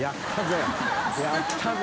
やったぜ。